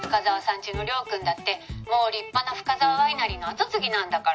家の稜くんだってもう立派な深沢ワイナリーの後継ぎなんだから」